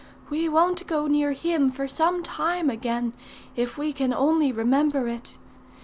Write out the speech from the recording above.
We won't go near him for some time again, if we can only remember it.